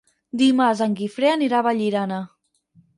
Dimarts en Guifré anirà a Vallirana.